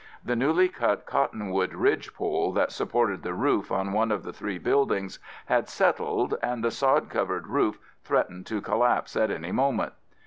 The newly cut cottonwood ridge pole that supported the roof on one of the three buildings had settled, and the sod covered roof threatened to collapse at any moment.